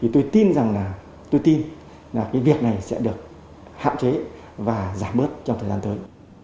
tôi tin rằng việc này sẽ được hạn chế và giảm bớt trong thời gian tới